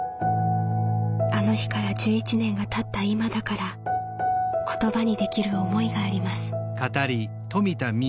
あの日から１１年がたった今だから言葉にできる思いがあります。